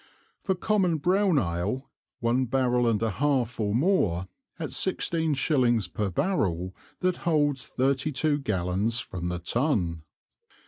For common brown Ale, one Barrel and a half or more, at sixteen Shillings per Barrel, that holds thirty two Gallons, from the Tun.